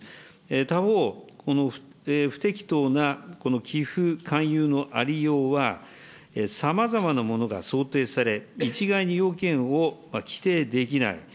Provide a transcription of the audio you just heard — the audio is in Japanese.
他方、この不適当な寄付勧誘のありようは、さまざまなものが想定され、一概に要件を規定できない。